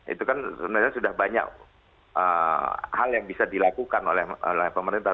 itu kan sebenarnya sudah banyak hal yang bisa dilakukan oleh pemerintah